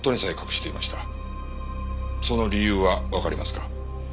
その理由はわかりますか？